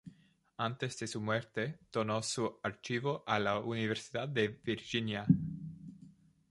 Antes de su muerte donó su archivo a la Universidad de Virginia.